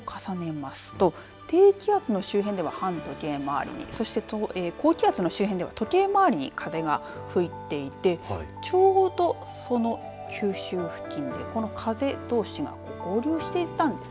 そこに風を重ねますと低気圧の周辺では反時計回りそして高気圧の周辺では時計回りに風が吹いていてちょうど九州付近で風同士が合流していったんです。